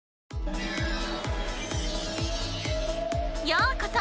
ようこそ！